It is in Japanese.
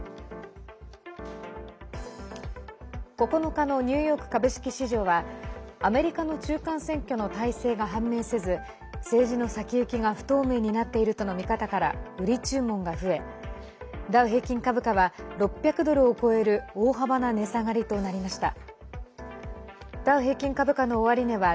９日のニューヨーク株式市場はアメリカの中間選挙の大勢が判明せず政治の先行きが不透明になっているとの見方から売り注文が増え、ダウ平均株価は６００ドルを超える大幅な値下がりとなりました。